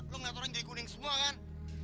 lu ngeliat orang jadi kuning semua kan